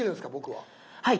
はい。